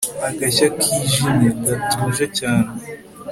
agashya kijimye, gatuje cyane